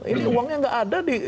ini uangnya nggak ada